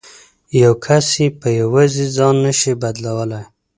یو کس یې په یوازې ځان نه شي بدلولای.